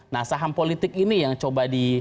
nah saham politik ini yang coba di